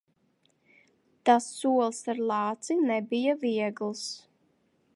Tas solis ar lāci nebija viegls.